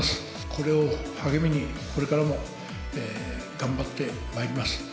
これを励みに、これからも頑張ってまいります。